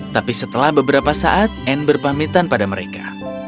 tapi setelah beberapa saat anne berpamitan pada mereka